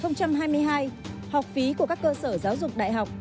học phí của các cơ sở giáo dục đại học